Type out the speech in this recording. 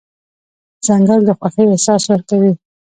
ځنګل د خوښۍ احساس ورکوي.